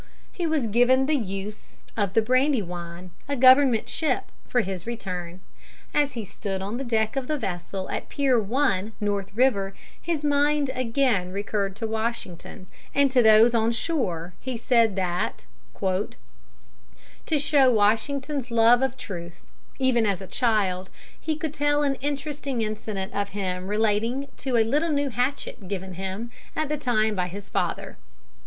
He was given the use of the Brandywine, a government ship, for his return. As he stood on the deck of the vessel at Pier 1, North River, his mind again recurred to Washington, and to those on shore he said that "to show Washington's love of truth, even as a child, he could tell an interesting incident of him relating to a little new hatchet given him at the time by his father."